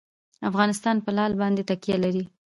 افغانستان په لعل باندې تکیه لري.